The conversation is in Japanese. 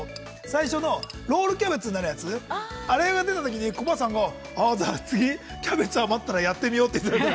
最初のロールキャベツになるやつ、あれが出たときに、コバさんが、ああ、次、キャベツ余ったらやってみようと言った。